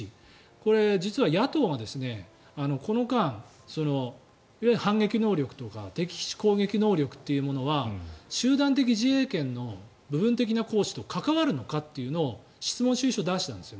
これ、実は野党がこの間いわゆる反撃能力とか敵基地攻撃能力というものは集団的自衛権の部分的な行使と関わるのかというのを質問主意書を出したんです。